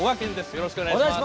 よろしくお願いします。